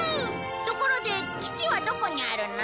ところで基地はどこにあるの？